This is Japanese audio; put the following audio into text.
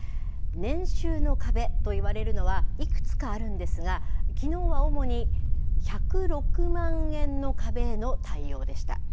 年収の壁といわれるのはいくつかあるんですが、きのうは主に１０６万円の壁への対応でした。